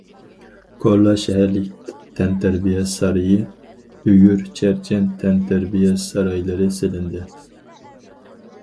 كورلا شەھەرلىك تەنتەربىيە سارىيى، بۈگۈر، چەرچەن تەنتەربىيە سارايلىرى سېلىندى.